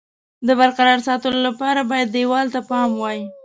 د برقرار ساتلو لپاره باید دېوال ته پام وای.